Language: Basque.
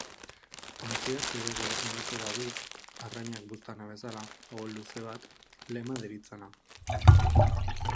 Ontziak bere gobernurako badu, arrainak buztana bezala, ohol luze bat, lema deritzana.